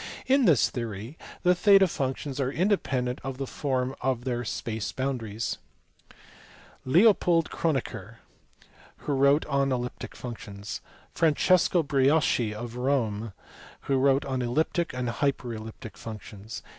471, 482); in this theory the theta functions are independent of the form of their space boundaries. Leopold Kronecker (see above, p. 462), who wrote on elliptic functions. Francesco Brioschi of Rome (see below, p. 478), who wrote on elliptic and hyperelliptic functions.